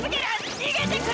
逃げてくれ！